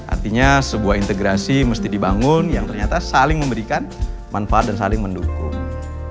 artinya sebuah integrasi mesti dibangun yang ternyata saling memberikan manfaat dan saling mendukung